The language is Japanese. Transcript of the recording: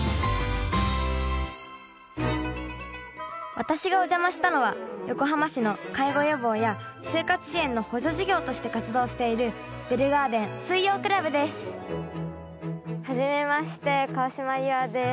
私がお邪魔したのは横浜市の介護予防や生活支援の補助事業として活動しているベルガーデン水曜クラブですはじめまして川島夕空です。